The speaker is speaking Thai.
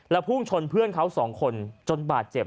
พุ่งชนเพื่อนเขาสองคนจนบาดเจ็บ